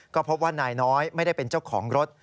ก็พบว่านายน้อยไม่ได้เป็นเจ้าของรถ